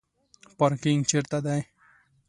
پارکینګ چیرته دی؟